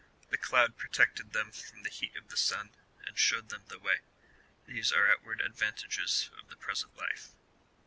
'^ The cloud protected tliem from the heat of the sun, and showed them the way : these are outward advantages of the present life.